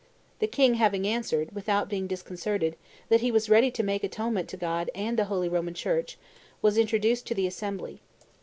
The king, having answered, without being disconcerted, that he was ready to make atonement to God and the holy Roman Church, was introduced to the assembly.